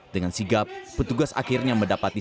dengan sigap petugas akhirnya mendapati